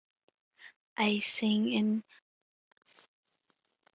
He also developed a way to process platinum ore into malleable ingots.